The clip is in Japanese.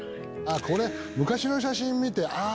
これ昔の写真見てあぁ！